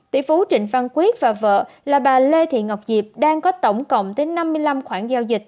tỷ phú trịnh văn quyết và vợ là bà lê thị ngọc diệp đang có tổng cộng tới năm mươi năm khoản giao dịch